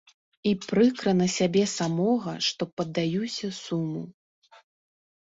І прыкра на сябе самога, што паддаюся суму.